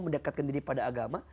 mendekatkan diri pada agama